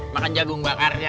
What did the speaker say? makan jagung bakarnya